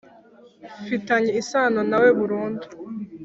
mfitanye isano na we burundu